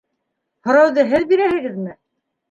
- Һорауҙы һеҙ бирәһегеҙме?